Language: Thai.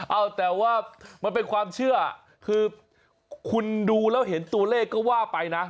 เอาแต่ว่ามันเป็นความเชื่อคือคุณดูแล้วเห็นตัวเลขก็ว่าไปนะ